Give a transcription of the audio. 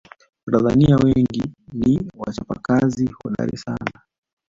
watanzania wengi ni wachapakazi hodari sana